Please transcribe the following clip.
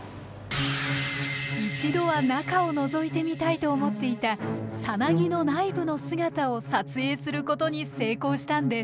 一度は中をのぞいてみたいと思っていた蛹の内部の姿を撮影することに成功したんです。